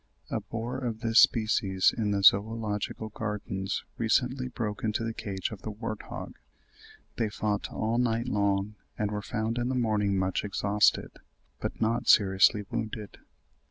A boar of this species in the Zoological Gardens recently broke into the cage of the wart hog. They fought all night long, and were found in the morning much exhausted, but not seriously wounded.